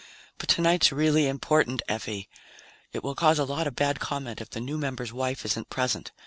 But tonight's really important, Effie. It will cause a lot of bad comment if the new member's wife isn't present.